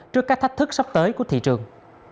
trước các thách thức sắp tới của thị trường